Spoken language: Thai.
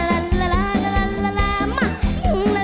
รักก็หนุ่มแต่ไม่ทุกข์อะไร